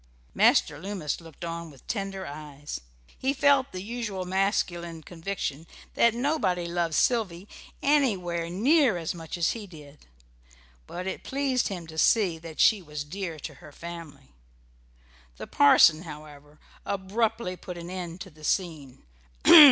Master Loomis looked on with tender eyes. He felt the usual masculine conviction that nobody loved Sylvy anywhere near as much as he did; but it pleased him to see that she was dear to her family. The parson, however, abruptly put an end to the scene.